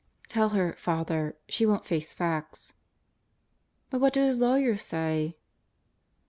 "Tell her, Father. She won't face facts." "But what do his lawyers say?"